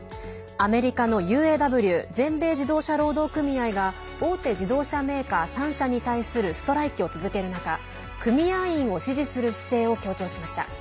アメリカのＵＡＷ＝全米自動車労働組合が大手自動車メーカー３社に対するストライキを続ける中組合員を支持する姿勢を強調しました。